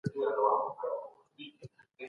موږ به نن په یو پرمختللي هېواد کي ژوند درلودای.